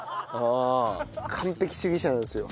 完璧主義者なんですよ。